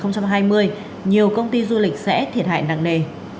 nhiều công ty du lịch sẽ thiệt hại nặng nề